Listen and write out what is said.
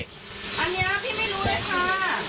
อันนี้พี่ไม่รู้เลยค่ะ